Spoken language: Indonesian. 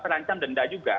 terancam denda juga